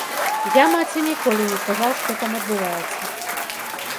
Я маці ніколі не казаў, што там адбываецца.